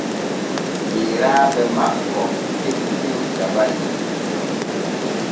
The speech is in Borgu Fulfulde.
Yeyraaɓe makko defi tew jabayel.